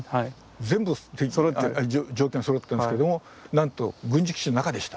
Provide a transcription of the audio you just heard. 全部状況がそろってるんですけどもなんと軍事基地の中でした。